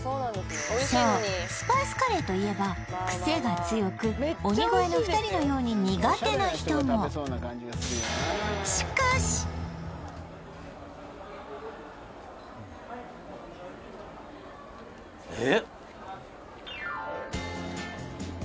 そうスパイスカレーといえばクセが強く鬼越の２人のように苦手な人も何かね